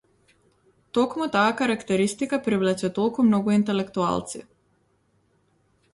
Токму таа карактеристика привлече толку многу интелектуалци.